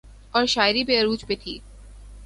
اورشاعری بھی عروج پہ تھی۔